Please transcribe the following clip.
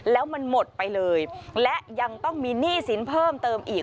แล้วมันหมดไปเลยและยังต้องมีหนี้สินเพิ่มเติมอีก